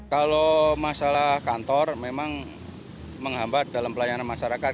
kalau masalah kantor memang menghambat dalam pelayanan masyarakat